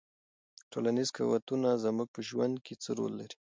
ټولنیز قوتونه زموږ په ژوند کې څه رول لري؟